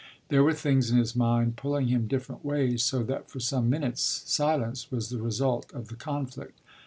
There were things in his mind pulling him different ways, so that for some minutes silence was the result of the conflict.